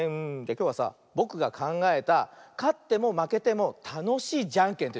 きょうはさぼくがかんがえたかってもまけてもたのしいじゃんけんというのやってみよう。